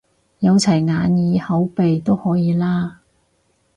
有齊眼耳口鼻都可以啦？